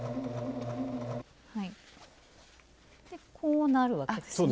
でこうなるわけですね。